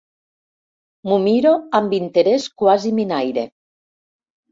M'ho miro amb interès quasi minaire.